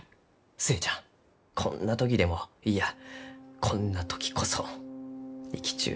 寿恵ちゃんこんな時でもいやこんな時こそ生きちゅう